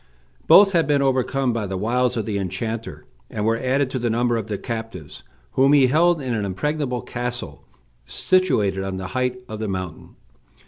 Both had been overcome by the wiles of the enchanter, and were added to the number of the captives, whom he held in an impregnable castle, situated on the height of the mountain.